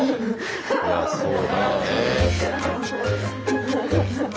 いやそうだよね。